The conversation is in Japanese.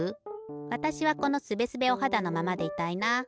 わたしはこのすべすべおはだのままでいたいな。